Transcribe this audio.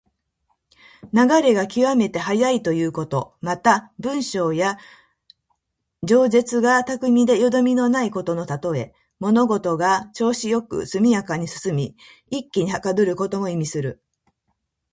流れが極めて速いということ。また、文章や弁舌が巧みでよどみのないことのたとえ。物事が調子良く速やかに進み、一気にはかどることも意味する。